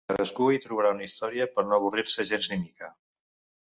Cadascú hi trobarà una història per no avorrir-se gens ni mica.